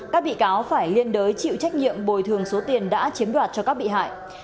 các bị cáo phải liên đối chịu trách nhiệm bồi thường số tiền đã chiếm đoạt cho các bị hại